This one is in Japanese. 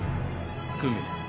久美。